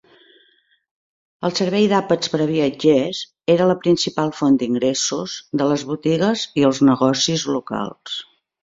El servei d'àpats per a viatgers era la principal font d'ingressos de les botigues i els negocis locals.